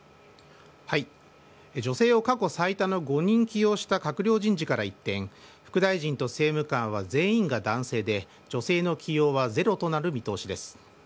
女性を過去最多の５人起用した閣僚人事から一転副大臣と政務官は全員が男性で女性の起用はゼロとなる見通しです。